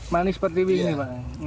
manis per tiwi ini pak